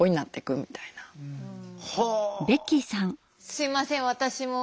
すいません私も。